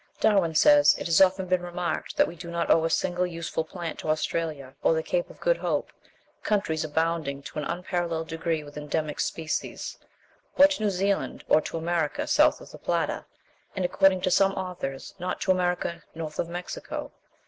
Darwin says ("Animals and Plants under Domestication," vol. i., p. 374), "It has often been remarked that we do not owe a single useful plant to Australia, or the Cape of Good Hope countries abounding to an unparalleled degree with endemic species or to New Zealand, or to America south of the Plata; and, according to some authors, not to America north of Mexico."